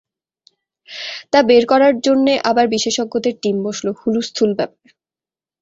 তা বের করার জন্যে আবার বিশেষজ্ঞদের টীম বসল, হুলস্থূল ব্যাপার!